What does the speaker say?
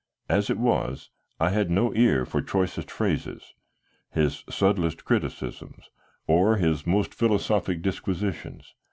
As it was, I had no ear for choicest phrases, his subtlest criticisms, or his most philosophic disquisitions.